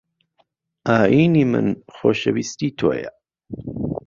ئایینی من خۆشەویستی تۆیە